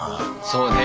そうね。